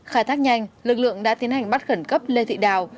khai thác nhanh lực lượng đã tiến hành bắt khẩn cấp lê thị đào